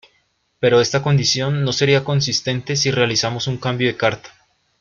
Pero esta condición no sería consistente si realizamos un cambio de carta.